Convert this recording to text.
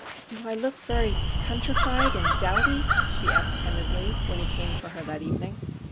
"Do I look very countrified and dowdy?" she asked, timidly, when he came for her that evening.